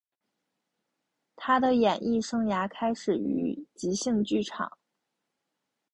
他的演艺生涯开始于即兴剧场。